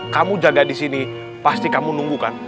kamu jaga di sini pasti kamu nunggu kan